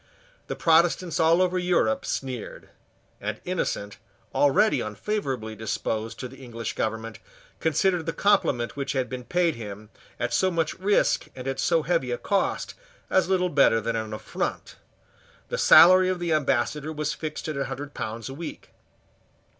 The Protestants all over Europe sneered; and Innocent, already unfavourably disposed to the English government, considered the compliment which had been paid him, at so much risk and at so heavy a cost, as little better than an affront. The salary of the Ambassador was fixed at a hundred pounds a week.